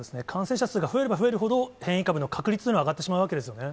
感染者数が増えれば増えるほど、変異株の確率というのは上がってしまうわけです